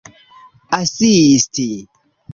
asisti